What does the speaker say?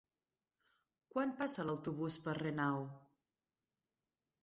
Quan passa l'autobús per Renau?